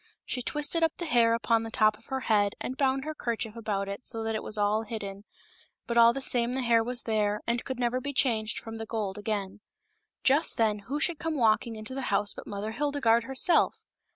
She twisted up the hair upon the top of her head and bound her kerchief about it so that it was all hidden ; but all the same the hair was there, and could never be changed from the gold again. Just then who should come walking into the house but Mother Hilde garde herself.